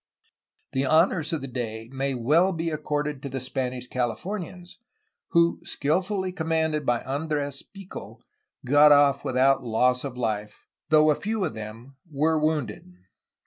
The honors of the day may well be accorded to the Spanish Californians, who, skilfully commanded by Andres Pico, got off without loss of life, though a few of them were wounded.